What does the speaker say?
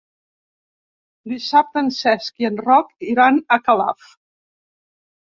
Dissabte en Cesc i en Roc iran a Calaf.